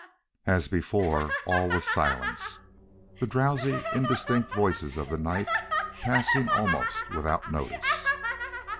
As before, all was silence, the drowsy, indistinct voices of the night passing almost without notice.